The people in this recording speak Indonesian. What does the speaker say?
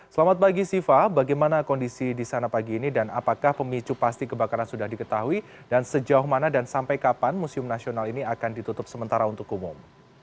selamat pagi siva bagaimana kondisi di sana pagi ini dan apakah pemicu pasti kebakaran sudah diketahui dan sejauh mana dan sampai kapan museum nasional ini akan ditutup sementara untuk umum